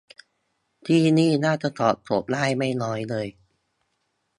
ที่นี่น่าจะตอบโจทย์ได้ไม่น้อยเลย